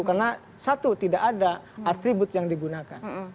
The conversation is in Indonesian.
karena satu tidak ada atribut yang digunakan